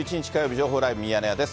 情報ライブミヤネ屋です。